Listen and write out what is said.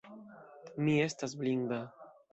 Mi estas blinda.